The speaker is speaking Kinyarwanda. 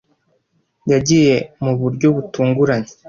Yagiye mu buryo butunguranye.